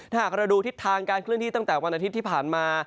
ถ้าหากเราดูทิศทางการเคลื่อนที่ตั้งแต่วันอาทิตย์ที่ผ่านมา